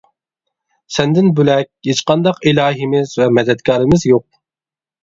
سەندىن بۆلەك ھېچقانداق ئىلاھىمىز ۋە مەدەتكارىمىز يوق.